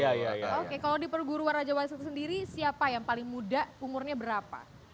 oke kalau di perguruan raja wali satu sendiri siapa yang paling muda umurnya berapa